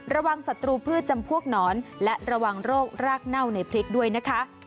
ศัตรูพืชจำพวกหนอนและระวังโรครากเน่าในพริกด้วยนะคะ